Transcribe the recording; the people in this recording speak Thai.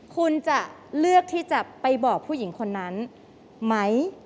คุณจะเลือกที่จะไปบอกผู้หญิงคนนั้นไหม